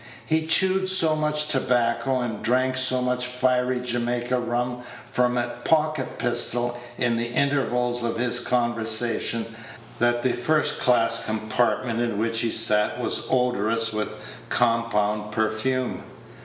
He chewed so much tobacco, and drank so much fiery Jamaica rum from a pocket pistol in the intervals of his conversation, that the first class compartment in which he sat was odorous with the compound perfume.